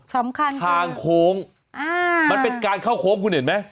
สำคัญทางโค้งอ่ามันเป็นการเข้าโค้งคุณเห็นไหม